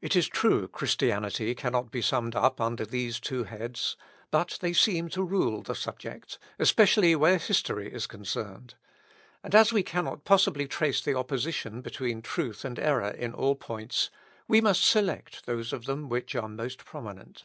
It is true, Christianity cannot be summed up under these two heads, but they seem to rule the subject, especially where history is concerned; and as we cannot possibly trace the opposition between truth and error, in all points, we must select those of them which are most prominent.